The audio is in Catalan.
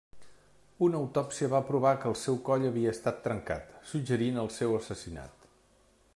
Una autòpsia va provar que el seu coll havia estat trencat, suggerint el seu assassinat.